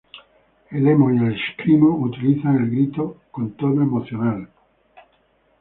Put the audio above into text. El emo y screamo utilizan el grito con tono emocional.